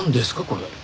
これ。